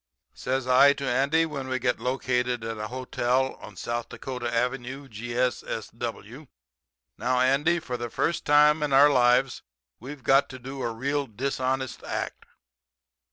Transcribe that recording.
"Says I to Andy, when we get located at a hotel on South Dakota Avenue, G.S.S.W. 'Now Andy, for the first time in our lives we've got to do a real dishonest act.